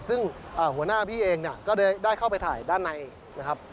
ซึ่งหัวหน้าพี่เองเนี่ยก็ได้เข้าไปถ่ายด้านในนะครับ